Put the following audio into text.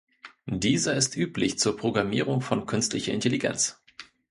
Dieser ist üblich zur Programmierung von Künstlicher Intelligenz.